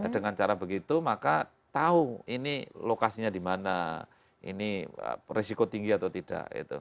dengan cara begitu maka tahu ini lokasinya di mana ini risiko tinggi atau tidak